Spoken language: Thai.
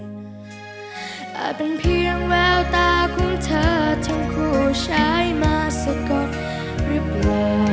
อาจเป็นเพียงแววตาของเธอทั้งคู่ใช้มาสะกดหรือเปล่า